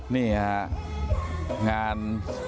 นี่ฮะงาน